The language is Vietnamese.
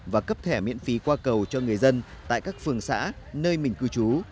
và cấp thẻ miễn phí qua cầu cho người dân tại các phường xã nơi mình cư trú